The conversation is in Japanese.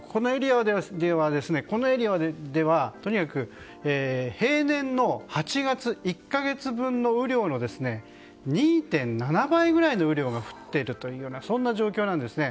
このエリアではとにかく平年の８月１か月分の雨量の２．７倍ぐらいの雨量が降っているというようなそんな状況なんですね。